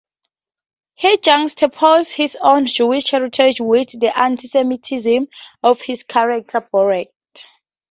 He juxtaposes his own Jewish heritage with the anti-Semitism of his character Borat.